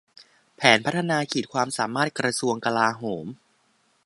แผนพัฒนาขีดความสามารถกระทรวงกลาโหม